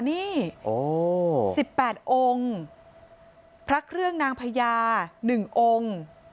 นี่โอ้สิบแปดองค์พระเครื่องนางพญาหนึ่งองค์